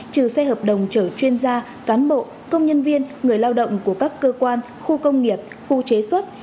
trừ xe hợp đồng chở chuyên gia cán bộ công nhân viên người lao động của các cơ quan khu công nghiệp khu chế xuất